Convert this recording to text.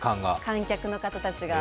観客の方たちが。